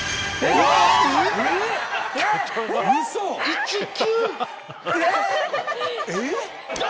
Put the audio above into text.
１９？